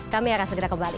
kami akan segera kembali